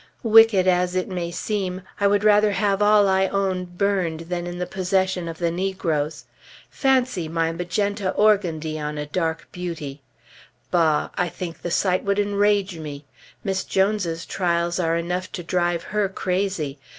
Wicked as it may seem, I would rather have all I own burned, than in the possession of the negroes. Fancy my magenta organdie on a dark beauty! Bah! I think the sight would enrage me! Miss Jones's trials are enough to drive her crazy.